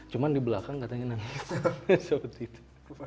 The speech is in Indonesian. cuma di belakang katanya nangis seperti itu